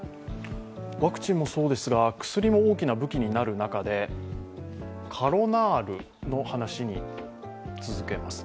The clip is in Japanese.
ワクチンもそうですが薬も大きな武器になる中でカロナールの話に続けます。